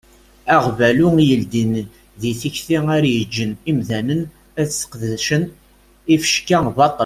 Aɣbalu yeldin d tikti ara yeǧǧen imdanen ad sqedcen ifecka baṭel.